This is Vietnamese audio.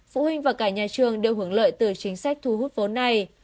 phụ huynh và cả nhà trường đều hưởng lợi từ chính sách thu hút vốn này